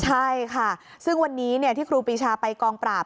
ใช่ค่ะซึ่งวันนี้ที่ครูปีชาไปกองปราบ